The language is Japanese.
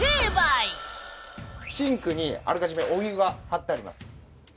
シンクにあらかじめお湯が張ってあります。